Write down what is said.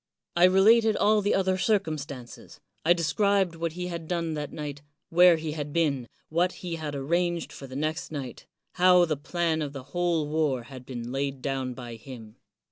I related all the other circumstances; I described what he had done that night, where he 120 CICERO had been, what he had arranged for the next night, how the plan of the whole war had been laid down by him.